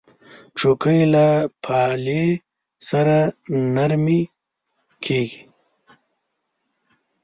چوکۍ له پالې سره نرمې کېږي.